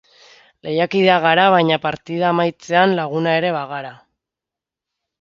Lehiakideak gara baina partida amaitzean laguna ere bagara.